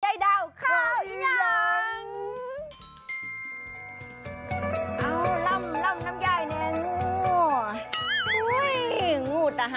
ยายดาวคาวอย่าง